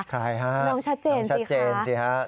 ใครฮะน้องชัดเจนสิครับ